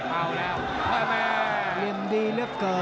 แน่แล้วทีมงานน่าสื่อ